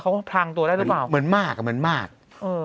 พรางตัวได้หรือเปล่าเหมือนมากอ่ะเหมือนมากเออ